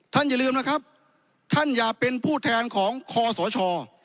อย่าลืมนะครับท่านอย่าเป็นผู้แทนของคอสช